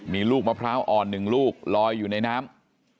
มีลูกมะพร้าวอ่อน๑ลูกลอยอยู่ในน้ำ